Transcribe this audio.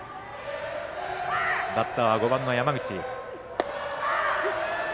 バッターは５番、山口。